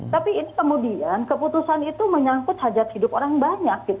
tapi ini kemudian keputusan itu menyangkut hajat hidup orang banyak